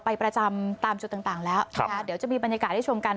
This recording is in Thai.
ประจำตามจุดต่างแล้วนะคะเดี๋ยวจะมีบรรยากาศได้ชมกัน